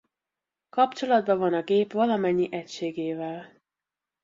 Kapcsolatba van a gép valamennyi egységével.